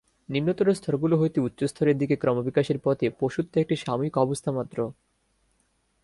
নিম্নতর স্তরগুলি হইতে উচ্চস্তরের দিকে ক্রমবিকাশের পথে পশুত্ব একটি সাময়িক অবস্থা মাত্র।